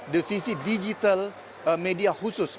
devisi digital media khusus